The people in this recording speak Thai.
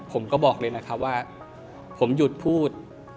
ผมก็บอกเลยนะครับว่าผมหยุดพูด